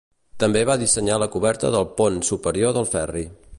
També va dissenyar la coberta del Pont Superior del Ferri.